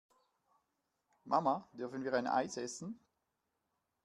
Mama, dürfen wir ein Eis essen?